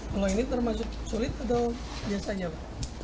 kalau ini termasuk sulit atau biasanya pak